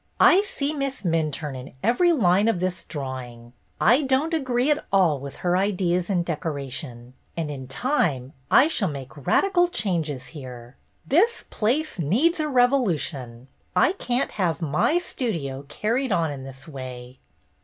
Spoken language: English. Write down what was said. "I see Miss Minturne in every line of this drawing. I don't agree at all with her ideas in decoration, and in time I shall make radical changes here. This place needs a revolution. I can't have my studio carried on in this way."